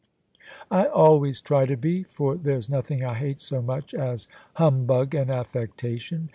" I alwajrs try to be, for there's nothing I hate so much as humbug and affectation.